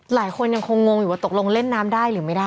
หลายคนยังคงงงอยู่ว่าตกลงเล่นน้ำได้หรือไม่ได้